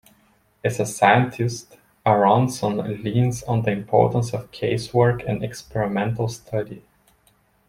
As a scientist, Aronson leans on the importance of case work and experimental study.